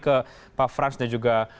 ke pak frans dan juga